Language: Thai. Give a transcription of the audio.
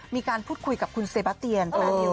มีการพูดคุยกับคุณเซบาเตียนแฟนิว